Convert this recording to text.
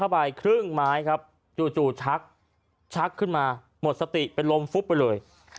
ไปครึ่งไม้ครับจู่ชักชักขึ้นมาหมดสติเป็นลมฟุบไปเลย